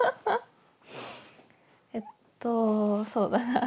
えっとそうだな。